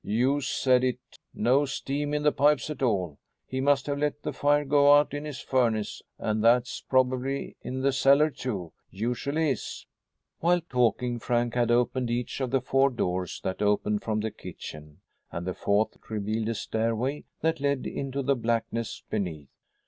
"You said it. No steam in the pipes at all. He must have let the fire go out in his furnace, and that's probably in the cellar too usually is." While talking, Frank had opened each of the four doors that opened from the kitchen, and the fourth revealed a stairway that led into the blackness beneath.